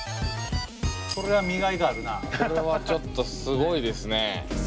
これはちょっとすごいですね。